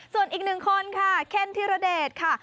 ส่วนอีกหนึ่งคนค่ะเคนธิรเดชค่ะ